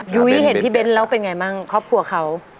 ยุ้ยเห็นพี่เบ้นแล้วเป็นไงบ้างครอบครัวเขา